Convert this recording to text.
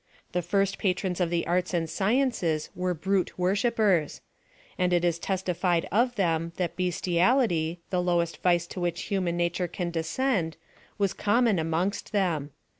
The first patrons of the arts and sciences were brute worshippers ; and it is testified of them that bestiality, the lowest vice to which human nature can descend, was common amongst them.